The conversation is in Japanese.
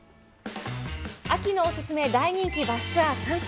秋のお勧め大人気バスツアー３選。